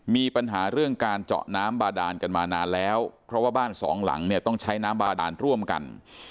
มีปัญหาเรื่องการเจาะน้ำบาดานกันมานานแล้วเพราะว่าบ้านสองหลังเนี่ยต้องใช้น้ำบาดานร่วมกัน